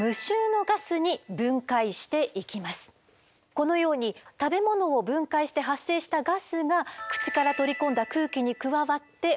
このように食べ物を分解して発生したガスが口から取り込んだ空気に加わってオナラになります。